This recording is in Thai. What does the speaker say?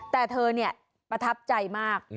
แต่เธอเนี่ยประทับใจมาก